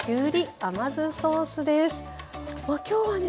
今日はね